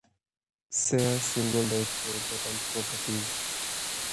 Serre singled out four important properties.